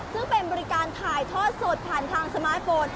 ซึ่งเป็นบริการถ่ายทอดสดผ่านทางสมาร์ทโฟน